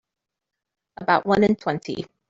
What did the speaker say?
About one in twenty.